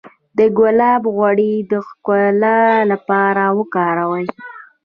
د ګلاب غوړي د ښکلا لپاره وکاروئ